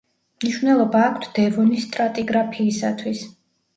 მნიშვნელობა აქვთ დევონის სტრატიგრაფიისათვის.